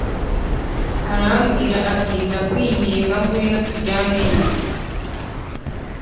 arambwira ati Ndakwinginga ngwino tujyaneyo